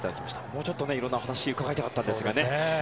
もうちょっといろんなお話を伺いたかったですが。